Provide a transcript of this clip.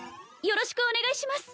よろしくお願いします